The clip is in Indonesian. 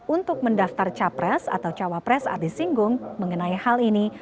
untuk mendaftar capres atau cawapres ardi singgung mengenai hal ini